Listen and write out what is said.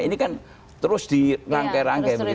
ini kan terus di rangka rangka